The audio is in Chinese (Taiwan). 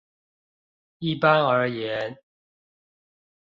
一般而言